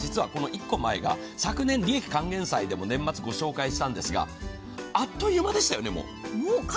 １個前が、利益還元祭で年末ご紹介したんですがあっという間でしたよね、もう。